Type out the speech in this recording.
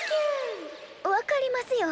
分かりますよ。